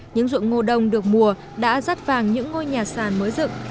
những ruộng ngô đông được mùa đã rắt vàng những ngôi nhà sàn mới dựng